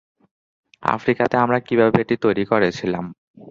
আফ্রিকাতে আমরা কীভাবে এটি তৈরি করেছিলাম।